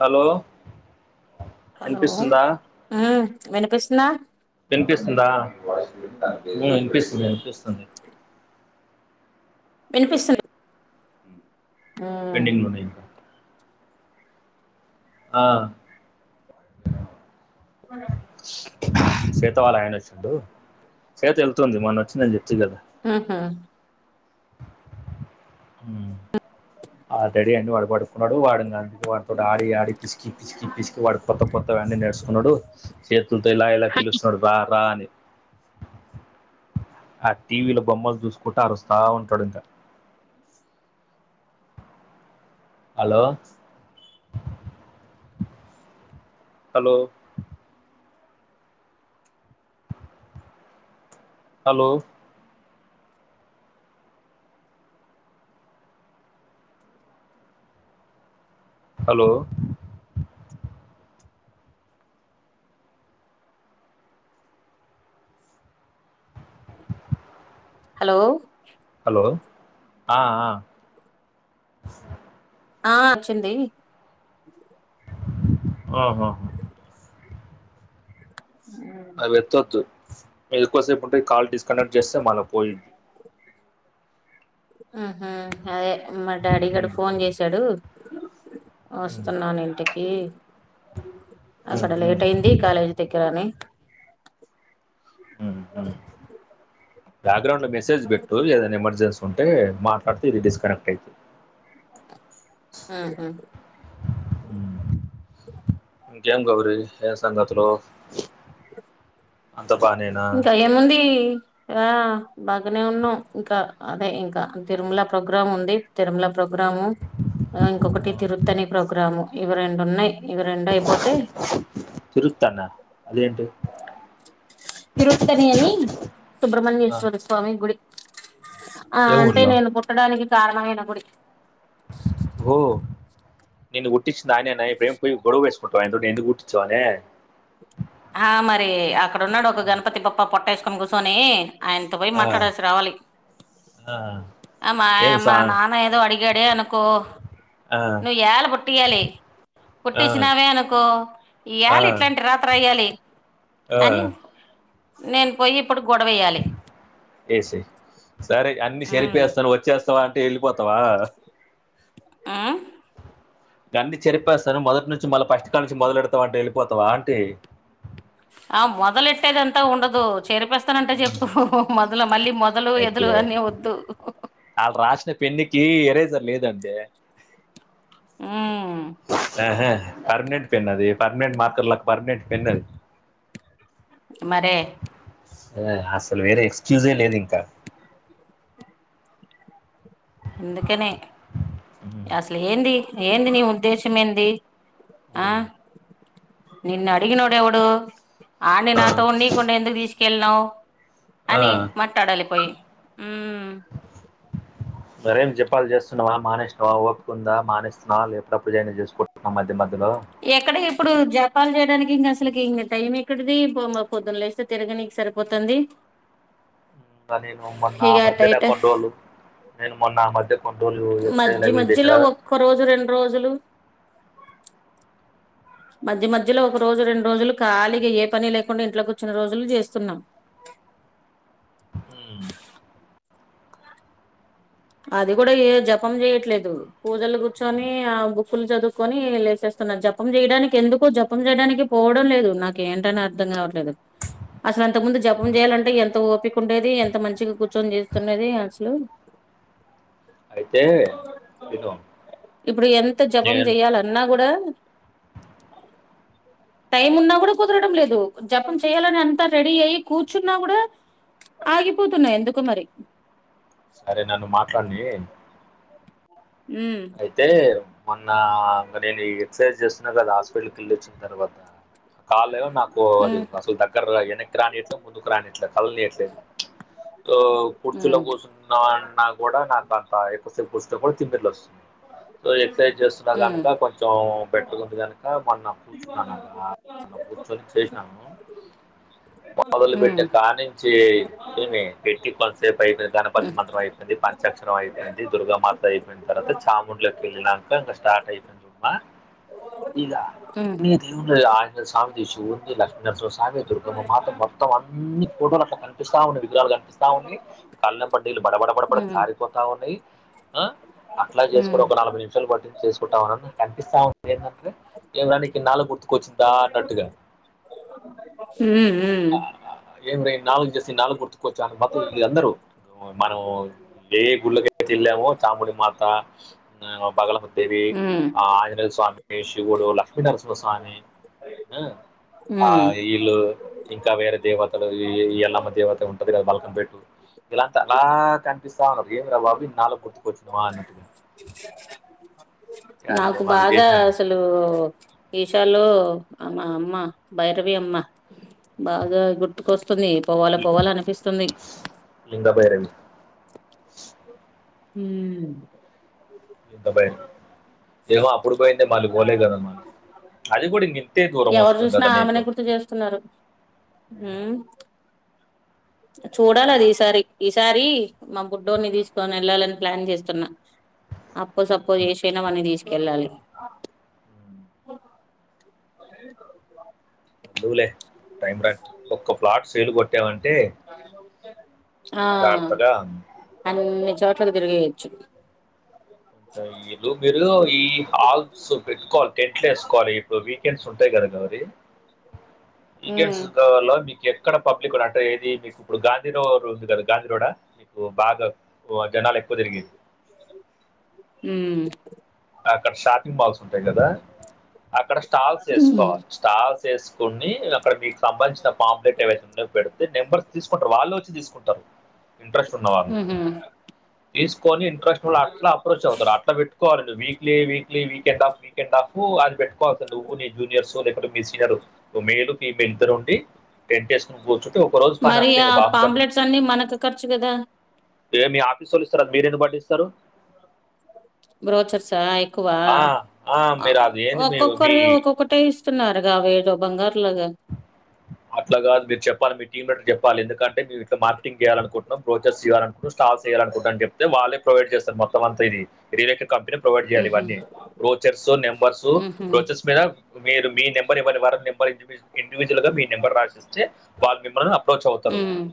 Hello hello వినిపిస్తుందా ఆ వినిపిస్తుంద వినిపిస్తుందా ఉమ్ వినిపిస్తుంది వినిపిస్తుంది. వినిపిస్తుంది. మ్మ్ పెండింగ్ లో ఉన్నాయి ఇంకా. ఆహ్ చెప్పు. వాల ఆయన వచ్చిండు శ్వేత వెళ్తుంది మొన్న వచ్చింది అని చెప్తి కదా. ఊహూ ఉమ్. అతడి అని వాడు పడుకున్నాడు వాడి అందు వాడితో ఆడి ఆడి పిసికి పిసికి పిస్కి వాడు కొత్త కొత్త. వన్నీ నేర్చుకున్నాడు చేతులతో ఇలా ఇలా పిలుస్తున్నాడు రా రా అని. ఆ టీవీలో బొమ్మలు చూసుకుంటా అరుస్తా ఉంటాడు ఇంకా. Hello. Hello. Hello. Hello. Hello. Hello ఆహ్ ఆహ్. ఆహ్ వచ్చింది. ఆహ్ ఆహ్. అది ఎత్తొద్దు ఎక్కువసేపు ఉంటే కాల్ డిస్కనెక్ట్ చేస్తే మళ్ళా పోయిద్ది. ఆహ్ అదే మా డాడీ గాడు ఫోన్ చేసాడు. వస్తున్నాను ఇంటికి అక్కడ లేట్ అయింది కాలేజీ దగ్గరని. ఉమ్ ఉమ్ బ్యాక్గ్రౌండ్ మెసేజ్ బెట్టు ఏదైనా ఎమర్జెన్సీ ఉంటే మా. పడుతది ఇదో డిస్కనెక్ట్ అయితది. ఆహ్. ఇకేం గబర్లు ఏం సంగతులు. బానేనా ఇంకా ఏముంది. ఆహ్ బాగానే ఉన్నాం ఇంకా అదే ఇంకా తిరుమల ప్రోగ్రామ్ ఉంది తిరుమల ప్రోగ్రా. ప్రోగ్రాము ఆహ్ ఇంకొకటి తిరుపతనే ప్రోగ్రాము ఇవి రెండు ఉన్నాయి. ఇవి రెండు అయిపోతే. తిరుత్తన్నా అదేంటి తిరుతని అని ఆ సుబ్రహమణ్యేశ్వర స్వామి గుడి. ఆహ్ ఏ అంటే ఊర్లో నేను పుట్టడానికి కారణమైన గుడి. ఓహ్. నిన్ను పుట్టించిది ఆయనే అని ఇప్పుడేం పోయి గొడవ చేసుకుంటావా ఆయన తోటి ఎందుకు పుట్టించావాని. ఆహ్ మరి అక్కడున్నాడు ఒక గణపతి పాప్ప పొట్ట వేసుకొని కూర్చొని. ఆయనతో పోయి ఆ మాట్లాడేసి రావాలి. ఆ ఆహ్ ఏం సా మా నాన్నా ఏదో అడిగాడే అనుకో. ఆ నువ్వు యళ పుట్టియాలి ఆ పుట్టించినావే అనుకో ఏళ ఆ ఇట్లాంటి రాతా. పోయాలి ఆ అని నేను పోయి. ఇప్పుడు గొడవేయాలి ఏసెయ్ సరే అన్ని సరి హెల్ప్ ఉమ్ చేస్తాడు వచ్చేస్తావా అం. అంటే వెళ్ళిపోతావా. ఆహ్. అన్ని చెరిపేస్తాను మొదటి నుంచి మళ్ళీ ఫస్ట్ కాడు నుంచి మొదలుపెడుతాను అంటే వెళ్ళిపోతావా అంటీ. ఆహ్ మొదలెట్టేదంతా ఉండదు చేరిపేస్తానంటే చెప్పు మొదలు. మళ్ళీ మొదలు ఎదులు అదే అవన్నీ వద్దు. ఈ ఏరైజర్ లేదందే ఆ ఆహ పర్మనెంట్ పెన్ అది పర్మనెంట్ మార్కర్లా పర్మనెంట్ పెన్ అది అరే ఆ అస్సల్ వేరే ఎక్స్క్యూజే లేదు ఇంకా అందుకనే అస్సలేంది ఏంది నీ ఉద్దేశం ఏంది ఆ ఉ నిన్ను అడిగినోడు ఎవడు అడ్ని ఆ, నాతో ఉండ్నికుండా ఎందుకు తీసుకెళ్ళినవు ఆ. అని మాట్లాడాలి పోయి మ్ మరేం చెప్పాలి చేస్తున్నావా మానేస్తున్నావా ఒప్పుకుందా మానేస్తున్నావా లేపడప్పు జైనా చేసుకుంటున్నా మధ్య మధ్య ఎక్కడ ఇప్పుడు జపలు చేయడానికి ఇంకా అసల్కి ఇకా టైం ఎక్కడిది బమ్మ పొద్దున్లేస్తే తీరాగినికి సరిపోతుంది ఆదిను మొన్న ఇక ఆ మధ్యనే అటైట కొన్న్రోలు నేను మొన్న ఆ మధ్య కొన్ని రోజులు ఎక్సైజ్ మధ్య అవి చేసిన మధ్యలో కదా ఒక్క రోజు రెండు రోజులు మధ్య మధ్యలో ఒక రోజు రెండు రోజులు కాలిగా ఏ పని లేకుండా ఇంట్లో కూర్చునా రోజులు చేస్తున్నాం ఉ అది కూడా ఏ జపం చేయట్లేదు పూజలు ఉమ్, కూర్చొని ఆ బుక్కులు చదువుకొని లేచే జపం చేయడానికి ఎందుకు జపం చేయడానికి పోవడం లేదు నాకేంటని అర్థం కావట్లేదు అసలాంతక ముందు జపం ఉమ్. చేయాలంటే ఎంత ఓపిక ఉండేది ఎంత మంచిగా కూర్చొని చేస్తుండది అసలు అయితే విను ఇప్పుడు ఎంత జపం నేను చెయ్యాల అన్నా కూడా టైం ఉన్నా కూడా కుదరడం లేదు జపం చేయాలని అంతా రెడీ అయ్యి కూర్చున్నా కూడా ఆగిపోతున్నా ఎందుకో మరి సరే నన్ను మాట్లాడ్ని ఉమ్ అయితే మొన్న ఈ ఎక్సర్సైజ్ చేస్తున్నా కదా హాస్పిటల్కి వెళ్లొచ్చిన తర్వాత కాళ్ళ నాకు అది ఉమ్ అసలు దగ్గర వెనక్కి రానియట్లే ముందుకు రానిట్లే కదళ్నియట్లేదు ఆ కూర్చులో ఉమ్ కూర్చున్నాన్నా కూడా నా అంత ఎక్కువసేపు కూర్చునా కూడా తిమ్మిర్లు వస్తుంది సో ఎక్సర్సైజ్ చేస్తున్నా కనుక కొంచెం బెటర్ ంది కనుక మ కూర్చున్నానుబా మొన్న కూర్చొని చేసినాను మొదలుపెట్టిన ఉమ్ కానించి ఏమి పెట్టి కొంతసేపు అయిపోయింది గణపతి ఉమ్ మంత్రం అయిపోయింది పంచాక్షరం అయిపోయింది దుర్గామాత అయిపోయింది తర్వా చాముూండలో కెళ్ళినాక ఇంక స్టార్ట్ అయ్యిందిచుద్మా ఉమ్ అన్ని దేవులది అజినేయ స్వామిది శివుంది లక్ష్మీనరస స్వామి దుర్గమ్మ మాతం మొత్తం అన్ని ఫోటో అట్ల కనిపిస్తా ఉన్నాయి విగ్రహాలు కనిపిస్తా ఉన్నాయి కళ్ళంటా నీళ్లు బడబడబడబడి ఉమ్ కారిపోతా ఉన్నాయి ఆ అట్లా చేసుకుడా ఉమ్ ఒక నలభై నిమిషాలు పట్టి చేసుకుంటాం అ కనిపిస్తాం ఏంటంటే ఏవరానికి నాలుగు గుర్తు కొచ్చిందాఅన్నటుగా హ్మ్మ్ హ్మ్మ్ ఆ, ఏం రే నాలుగు చేసి నాలుగు గుర్తుకొచ్చా అని మాట ఇల్లందరు మనము ఏ గుళ్ళకైతేలామో చం మాతా ఆ బగలముదేవి ఉమ్ ఆ ఆంజనేయ స్వామి ఇ శివుడు లక్ష్మీనరసింహస్వామి ఆ ఉమ్ ఇలు ఇంకా వేరే దేవతలుయల్లమ్మ దేవత ఉంటది కదా మల్కంపేట్టు ఇలాంత అలా కనిపిస్తా ఉన్నారు ఏమి రా బాబు ఇన్నాళ్లకు గుర్తుకొచ్చు నమ అన్నటుగా నాకు బాగా అసాలు ఈషాలో మా అమ్మ భైరవి అమ్మ బాగా గుర్తుకొస్తుంది పోవాల పోవాల అనిపిస్తుంది లింగ భైరవి హ ఇంత భయం ఏమో అప్పుడు పోయిందే మళ్ళీ పోలే కదా మళ్ళీ అదికూడా ఇంకింతే దూరం ఎవరు వస్తుంది కదానికు హ చూడాలి అది ఈసారి ఈసారి మా బుడ్డోని తీసుకొని వెళ్ళాలని ప్లాన్ చేస్తున్నా అప్ప సపో హ్మ్. హ్మ్. చేసైనా వాడ్ని తీస్కెళ్ళాలి అ ఎల్దువులే టైరాని ఒక్క ఫ్లాట్ సేల్ కొట్టామం ఇ వాలా అవ్వుద్ద జర్తగా అన్నీ చోట్లక్ తిరిగేయచ్చు లు మీరు ఈ హాల్స్ పెట్టుకోవాలి టెంట్లో ఎసుకోవాలి ఇప్పుడు వీకెండ్స్ ఉంట ఉంటై కాదండి మరి ఉమ్ వీకెండ్స్ కావాల ఎక్కడ పబ్లిక్ ఉన్నట్టటు ఏది మీకు ఇప్పుడు గాంధీరోఉంది కదా గాంధీరోోడ మీకు బాగా జనాలు ఎక్కువ తిరిగిది హ అక్కడ షాపింగ్ మాల్స్ ఉంటాయి కదా అక్కడ స్టాల్స్ వేసుకోవాలి స్టాల్స్ వేసు కుని అక్కడ మీకు సంబంధించిన పాంప్లెట్ ఏవైతే ఉన్నాయో పెడితే నెంబర్స్ తీసుకుంటారు వల్లే వచ్చి తీసుకుంటారు ఇంట్రెస్ట్ ఉన్న వాళ్ళు ఉహు ఉహు తీసుకొని ఇంట్రెస్ట్ వాల్ళ అట్లా అప్రోచ్ అవుతారు అట్లా పెట్టుకోవాలి weekly week weekend off weekend half అది పెట్టుకోవల్సింది నువ్వు నిజూనియర్సొ లేకపోతే మీ సీనియర్ మేలు మీ ఇద్దరుండి టెంట్ఎస్కుని కూర్చు మరి ఆ పాంలెట్స్ అన్ని మనకు ఖర్చు కదా ఇ మీ ఆఫీస్ వాళ్ళు ఇస్తారు మీరు ఎన్ని పట్టిస్తారు బ్రోచర్సా ఎక్కువ ఆ! ఆ! మీరు అది ఏంది మీ మీ ఒక్కొక్కరి ఒక్కొక్కటే ఇ ఇస్స్తున్నారుగా వేదో బంగారులోగాన్ అట్లాగాదు మీరు చెప్పాలి మీ టీమ్ లీడర్కి చెప్పాలి ఎందుకంటే మేం ఇప్పుడు మార్కెటింగ్ చేయాలనకుంటునాం బోచర్స్ చేయాలనుకుంటు స్టాల్ చేయాలనుకుంట అని చెప్తే వల్లే ప్రొవైడ్ చేస్తారు మొత్తం అంతా ఇది రియల్ ఎట కంపెనీ ప్రొవైడ్ చేయాలి ఉహు ఇవన్నీ బ్రోచర్స్ నెంబర్స్ ఉహు బ్రోచర్స్ మీద మీరు మీ నెంబర్ ఇవ్వరి వర నెంబర్ ఇండివిడ్ మీ నెంబర్ రాసిస్తే వాళ్ళ మిమ్మల్ని అప్రోచ్ అవుతారు ఉమ్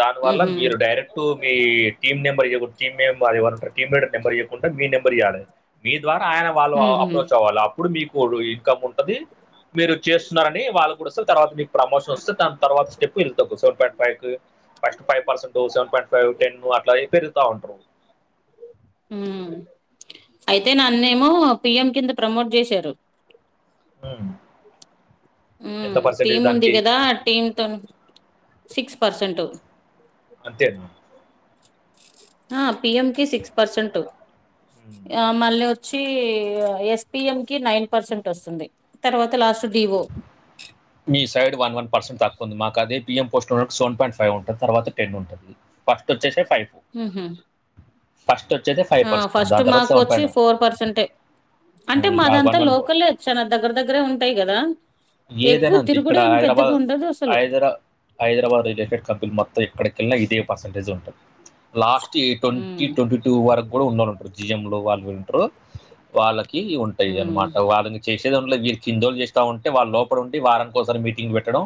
దాని వల్ల ఉహు మీరు డైరెక్ట్ మీ టీమ్ నెంబర్ ఎయ్యా టీమ్ మెంబెర్ ఎవరుంటారో టీమ్ మేట్ నెంబర్ ఇయ్యకుండా మీ నెంబర్ ఇయాలె మీ ద్వారా ఆయన వాళ్ళు ఉహు అప్రోచ్ అవ్వాలి అప్పుడు మీకు ఇన్కమ్ ఉంటది మీరు చేస్తున్నారని వాళ్ళ తర్వాత మీకు ప్రమోషన్ వస్తే దాన్ తర్వాత step [unintelligible] first five percent seven point five ten అట్లాగే పెరుగుతా ఉంటారు మ్ అయితే నన్నేమో పిఎం కింద ప్రమోట్ చేశారు. ఉమ్. ఉమ్ ఎంత పర్సెంటేజ్ టీమ్ ఉంది దానికి కదా టీమ్ తోని సిక్స్ పర్సెంట్. అంతేనా. ఆహ్ పిఎం కి సిక్స్ పర్సెంట్ ఉమ్. ఆహ్ మళ్ళీ వచ్. వచ్చి ఎస్పిఎం కి నైన్ పర్సెంట్ వస్తుంది తర్వాత లాస్ట్ డివో. మీ సైడ్ వన్ వన్ పర్సెంట్ తక్కువ ఉంది మాకు అదే పిఎం. ఫస్ట్ వచ్చేసి సెన్ పాయింట్ ఫైవ్ ఉంటుంది తర్వాత టెన్ ఉంటుంది ఫస్ట్ వచ్చేసి. ఫైవ్ ఆహ్. ఫస్ట్ వచ్చేది ఫైవ్ ఆహ్ పర్సెంట్ ఫస్ట్ దాని తర్వాత మాకు సెవెన్ వచ్చి ఫోర్ పర్సెంటే. అంటే పాయింట్ వన్ మాదంతా వన్ ఫోర్ లోకలే వచ్చు చానా దగ్గర దగ్గరే ఉంటాయి కదా. ఏదైనా ఎక్కువ అంతే ఇక్కడ తిరుగుడు ఏం పెద్దగా హైదరాబాద్ ఉండదు అసలు హైదరా హైదరాబాద్ రిలేటెడ్ కంపెనీలు మొత్తం. మొత్తం ఎక్కడికెళ్ళా ఇదే పర్సెంటేజ్ ఉంటుంది లాస్ట్ ఈ ట్వంటీ ఉమ్ ట్వంటీ టూ వరకు కూడా ఉన్నోలు ఉన్. జయంలో వాళ్ళు ఉంటారు వాళ్ళకి ఉంటాయి ఉమ్ అనమాట వాళ్ళని చేసే దాంట్లో వీరికి. కిందోలు చేస్తా ఉంటే వాళ్ళు లోపల ఉండి వారనికోకసారి మీటింగ్ పెట్టడం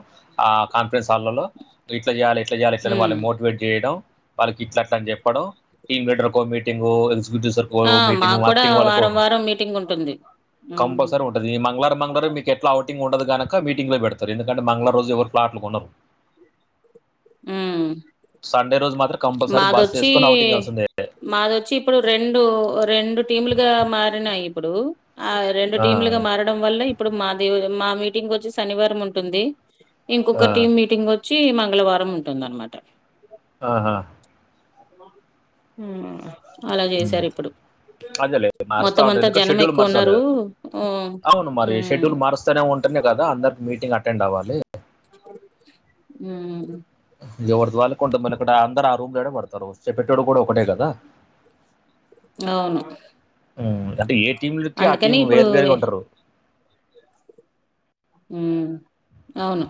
ఆ కంపెనీ. వాళ్లలో ఇట్లా చేయాలి ఇట్లా చేయాలి ఉమ్ వాళ్ళని మోటివేట్ చేయడం. వాళ్ళకి ఇట్ల అట్ల అని చెప్పడం టీమ్ లీడర్ కు ఓ మీటింగ్. సార్ ఆ ఒక మీటింగ్ మాకు కూడా అరటింగ్ వాళ్ళకు వారం వారం మీటింగ్ ఉంటుంది ఉమ్ కంపల్సరీ ఉంటది ఈ మంగళవారం. మంగళవారం మీకు ఎట్లా అవుటింగ్ ఉండదు కనుక మీటింగ్ లే పెడతారు ఎందుకంటే మంగళవారం రోజు ఎవరు ఫ్లాట్లు కొన్నారు. ఉమ్ రోజు మాత్రం కంపల్సరీ బస్ మాదొచ్చి వేసుకొని అవుటింగ్ వెళ్తుందే మాదొచ్చి. ఇప్పుడు రెండు రెండు టీములుగా మారినాయి ఇప్పుడు. అవి రెండు టీమ్లుగా మారడం వల్ల ఇప్పుడు మాది మా మీటింగ్ వచ్చి శనివారం ఉంటుంది. ఇంకొక టీమ్ మీటింగ్ వచ్చి మంగళవారం ఉంటుందనమాట. ఆహ్. ఉమ్ అలా చేసారు ఇప్పుడు. అదేలే మారుస్తా మొత్తం ఉంటది అంతా ఎందుకంటే జనం షెడ్యూల్ ఎక్కువ మార్చాలే ఉన్నారు ఆ అవును మరి ఉమ్ షెడ్యూల్ మారుస్తానే ఉంటే కాద అందరు మీటింగ్ అటెండ్ అవ్వాలి. ఉమ్. ఎవరిది వాళ్ళుకు ఉంటది మల్ల అక్కడ అందరు ఆ రూమ్ లోనే పడతారు చెపట్టోడు కూడా ఒకటే కదా. అవును అంటే ఏ టీంలకి ఆ టీం అందుకని ఇప్పుడు వేరు వేరుగా ఉంటారు. ఉమ్ అవును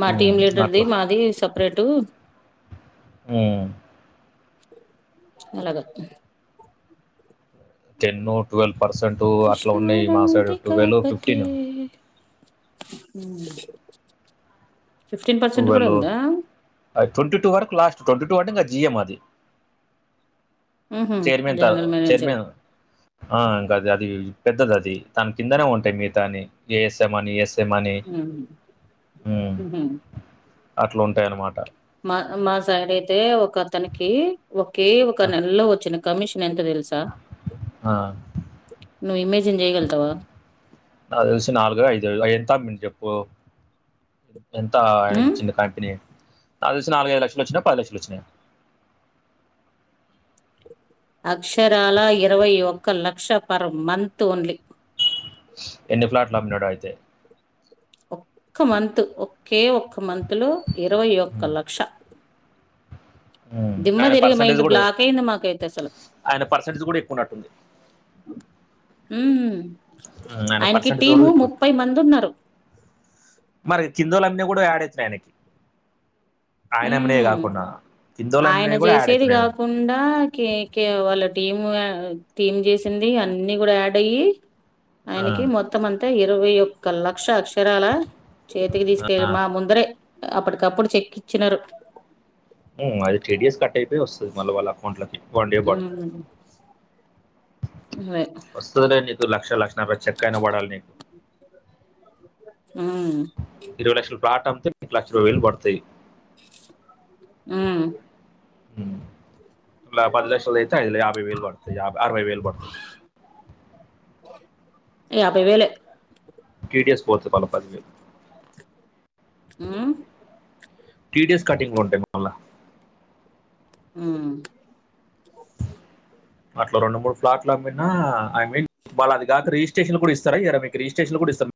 మా ఉమ్, టీం లీడర్ది అట్లా మాది సపరేటు. ఉమ్. అలాగా. టెన్ ట్వెల్వ్ పర్సెంట్ అట్లా ఉన్నాయి మా సైడ్ టువెల్వ్ ఫిఫ్టీన్. ఉమ్. టువల్ అది ట్వంటీ టూ వరకు లాస్ట్ ట్వంటీ టూ అంటే ఇగ. జిఎ మాది ఉహు, చైర్మెన్ త జనరల్ మేనేజర్ చైర్మెన్. ఆహ్ ఇంకాది అది పెద్దది అది దాని కిందనే ఉంటాయి మిగతా అన్ని ఏఎస్ఎం అని ఏఎస్. అని ఉహు, ఉమ్ ఉహు. అట్లా ఉంటాయన్నమాట. మా మా సైడ్ అయితే ఒక అతనికి ఒకే ఒక నెలలో వచ్చిన కమిషన్. ఎంత తెలుసా నువ్వు ఇమేజిన్ చేయగలుగుతావా. ఆహ్ తెలుసు నాలుగో ఐదో ఎంతా అమ్మిండో చెప్పు. ఎంత ఆయనకు ఉమ్, ఇచ్చింది కంపెనీ. తెలుసు నాలుగైదు లక్షలు వచ్చినయా పది లక్షలు వచ్చినయా. అక్షరాల ఇరవై ఒక్క లక్ష పర్ మంత్ ఓన్లీ. ఎన్ని ఫ్లాట్లు అమ్మినాడో అయితే. ఒక్క మంత్ ఒకే ఒక్క మంత్ లో ఇరవై ఒక్క ఉమ్, లక్ష. ఉమ్, దిమ్మ ఆయన తిరిగి పర్సంటేజ్ మైండ్ కూడా బ్లాక్ అయింది మాకు అయితే అసలు. ఆయన పర్సంటేజ్ కూడా ఎక్కువ ఉన్నట్టుంది ఉమ్. ఉమ్ ఉమ్, ఆయన ఆయనకి పర్సంటేజ్ టీము కూడా ఎక్కువ ముప్పై మంది ఉన్నారు. మరి కిందోలాని. నువ్వు కూడా యాడించేయండి ఆయన రెమిడి హ్మ్ కాకుండా. కిందోలు ఆయన అమ్మినవి కూడా యాడ్ చేసేది అవుతున్నాయి కాకుండా కే కే వాళ్ళది. టీం టీమ్ చేసింది అన్ని కూడా యాడ్ అయ్యి. ఆ. ఆయనకి మొత్తం అంతా ఇరవై ఒక్క లక్ష అక్షరాల. చేతికి తీసుకెళ్ళి మా ముందరే అప్పటికప్పుడు చెక్కిచ్చినారు. ఉమ్ అది టీడిఎస్ కట్ అయితే వస్తుంది మళ్ళా వాళ్ళ అకౌంట్లకి వన్డే పడుతుంది. హ్మ్ ఇవే వస్తుందిలే నీకు లక్ష లక్షన్నర చెక్కయిన పడాలి నీకు. హ్మ్ ఇరవై లక్షల ప్లాట్ అమ్మితే లక్ష ఇరవై వేలు పడతాయి. ఉమ్ ఉమ్ తలా పదిలక్ష దైతే ఐదు యాభై వేలు పడుతాయి యభై అరవై వేలు పడుతాయి. యాభై వేలే. టిడిఎస్ పోతాయి మల్ల పదివేలు. ఉమ్ టీడియస్ కటింగ్ ఉంటాయిగా మల్ల. ఉమ్. అట్లా రెండు మూడు ఫ్లాట్లు అమ్మిన ఐ మీన్ మల్ల అది కాక రిజిస్ట్రేషన్ కూడా ఇస్తారా ఇయ్యరా మీకు రిజిస్టేషన్ కూడా ఇస్తారు.